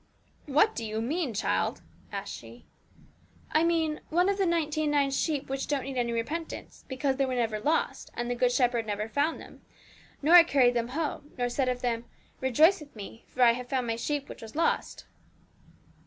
'What do you mean, child?' asked she. 'I mean, one of the ninety and nine sheep which don't need any repentance, because they were never lost; and the Good Shepherd never found them, nor carried them home, nor said of them, "Rejoice with Me; for I have found My sheep which was lost."'